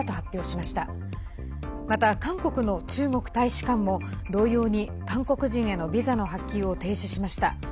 また、韓国の中国大使館も同様に韓国人へのビザの発給を停止しました。